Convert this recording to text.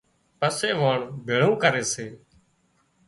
پسي واڻ ڀيۯون ڪري سي